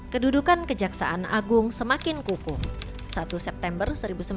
kedudukan kejaksaan agung semakin kukuh satu september